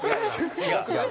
違う。